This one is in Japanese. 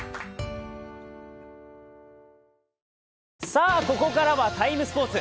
さあ、ここからは「ＴＩＭＥ，スポーツ」